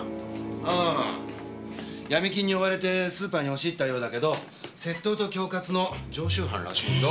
ああ闇金に追われてスーパーに押し入ったようだけど窃盗と恐喝の常習犯らしいんだ。